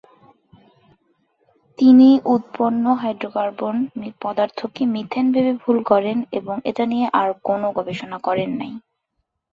তিনি উৎপন্ন হাইড্রোকার্বন পদার্থকে মিথেন ভেবে ভুল করেন এবং এটা নিয়ে আর কোন গবেষণা করেন নাই।